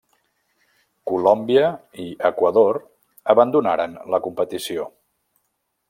Colòmbia, i Equador abandonaren la competició.